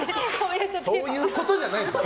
そういうことじゃないでしょ。